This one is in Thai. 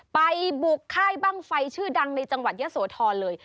ไปบุกค่ายบ้างไฟชื่อดังในจังหวัดยะโสธรเลย